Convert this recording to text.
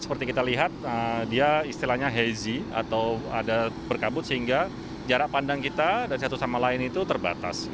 seperti kita lihat dia istilahnya heazy atau ada berkabut sehingga jarak pandang kita dari satu sama lain itu terbatas